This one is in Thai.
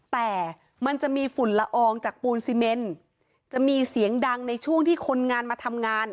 แต่มันจะมีฝุ่นละอองจากปูนซีเมนจะมีเสียงดังในช่วงที่คนงานมาทำงาน